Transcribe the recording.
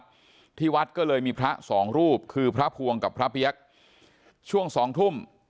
วัดที่วัดก็เลยมีพระสองรูปคือพระภวงกับพระเปี๊ยกช่วงสองทุ่ม